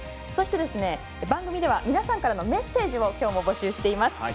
そして、番組では皆さんからのメッセージをきょうも募集しています。